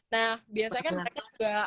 nah biasanya kan mereka juga